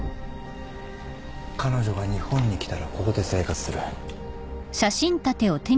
彼女が日本に来たらここで生活する。